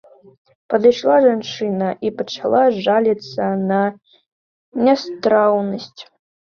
Падышла жанчына і пачала жаліцца на нястраўнасць.